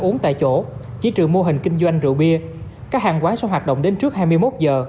uống tại chỗ chỉ trừ mô hình kinh doanh rượu bia các hàng quán sẽ hoạt động đến trước hai mươi một giờ